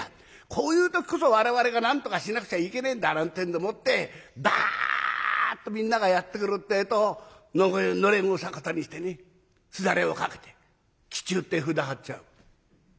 こういう時こそ我々がなんとかしなくちゃいけねえんだ」なんてんでもってバッとみんながやって来るってえとのれんを逆さにしてねすだれを掛けて忌中って札貼っちゃう。